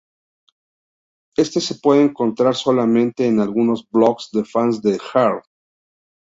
Este se puede encontrar solamente en algunos blogs de fans de Jarre.